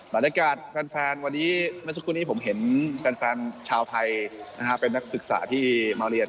แฟนวันนี้เมื่อสักครู่นี้ผมเห็นแฟนชาวไทยเป็นนักศึกษาที่มาเรียน